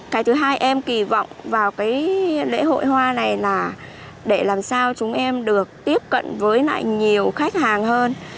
cái thứ hai em kỳ vọng vào cái lễ hội hoa này là để làm sao chúng em được tiếp cận với lại nhiều khách hàng hơn